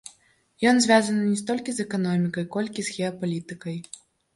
Ён звязаны не столькі з эканомікай, колькі з геапалітыкай.